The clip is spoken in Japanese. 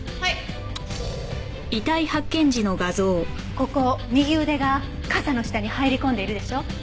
ここ右腕が傘の下に入り込んでいるでしょう？